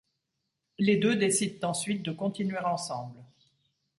Les deux décident ensuite de continuer ensemble.